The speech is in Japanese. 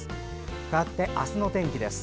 かわって、明日の天気です。